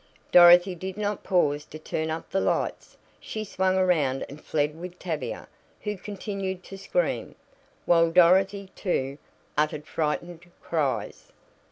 Dorothy did not pause to turn up the lights. She swung around and fled with Tavia, who continued to scream, while Dorothy, too, uttered frightened cries.